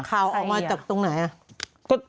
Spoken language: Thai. ข่าวออกมาจากตรงไหน